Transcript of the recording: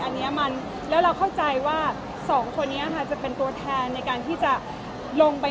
เราเข้าใจว่า๒คนจะเป็นตัวแทนในการที่จะลงไป